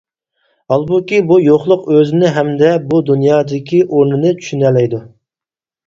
ھالبۇكى، بۇ «يوقلۇق» ئۆزىنى ھەمدە بۇ دۇنيادىكى ئورنىنى چۈشىنەلەيدۇ.